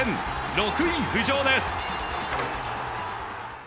６位浮上です。